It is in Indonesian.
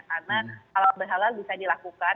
karena halal bihalal bisa dilakukan